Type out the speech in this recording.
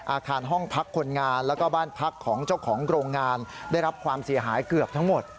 อาคารห้องพักคนงานแล้วก็บ้านพักของเจ้าของโรงงานได้รับความเสียหายเกือบทั้งหมด